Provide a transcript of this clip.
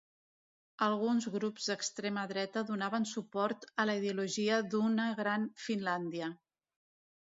Alguns grups d'extrema dreta donaven suport a la ideologia d'una Gran Finlàndia.